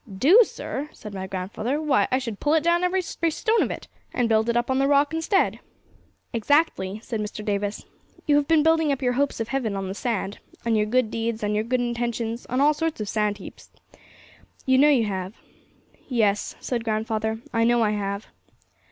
'Do, sir!' said my grandfather, 'why, I should pull it down, every stone of it, and build it up on the rock instead.' 'Exactly!' said Mr. Davis. 'You have been building your hopes of heaven on the sand on your good deeds, on your good intentions, on all sorts of sand heaps. You know you have. 'Yes,' said grandfather, 'I know I have.'